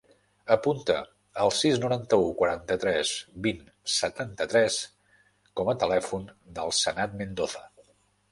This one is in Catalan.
Apunta el sis, noranta-u, quaranta-tres, vint, setanta-tres com a telèfon del Sanad Mendoza.